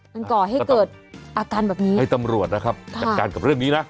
มันก่อให้เกิดอาการแบบนี้ให้ตำรวจนะครับจัดการกับเรื่องนี้นะ